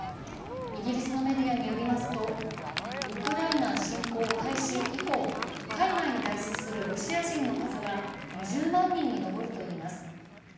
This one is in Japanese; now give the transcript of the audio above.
イギリスのメディアによりますと、ウクライナ侵攻開始以降、海外に脱出するロシア人の数は２０万人に上るといいます。